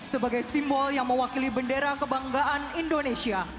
sebagai simbol yang mewakili bendera kebanggaan indonesia